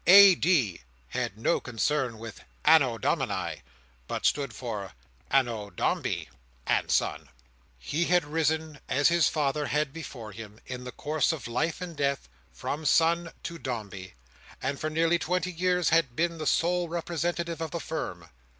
A. D. had no concern with Anno Domini, but stood for anno Dombei—and Son. He had risen, as his father had before him, in the course of life and death, from Son to Dombey, and for nearly twenty years had been the sole representative of the Firm.